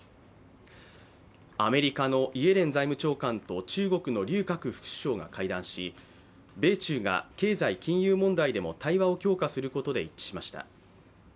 アメリカのイエレン財務長官と中国の劉鶴副首相が会談し米中が経済金融問題でも対話を強化することで一致しました。